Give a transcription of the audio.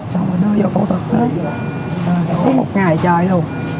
xong rồi đưa vô phẫu thuật đủ một ngày trời luôn